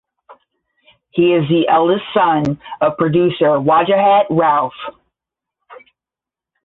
He is the eldest son of producer Wajahat Rauf.